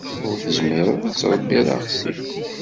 Ur tezmireḍ ad tṛebbiḍ aɣsi.